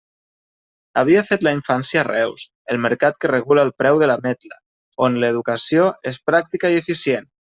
Havia fet la infància a Reus, el mercat que regula el preu de l'ametla, on l'educació és pràctica i eficient.